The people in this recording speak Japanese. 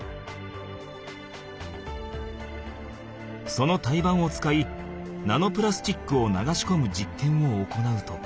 その胎盤を使いナノプラスチックを流しこむじっけんを行うと。